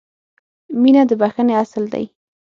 • مینه د بښنې اصل دی.